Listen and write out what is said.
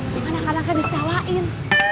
bukan akan akan disalahin